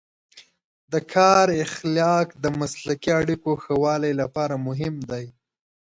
د کار اخلاق د مسلکي اړیکو ښه والي لپاره مهم دی.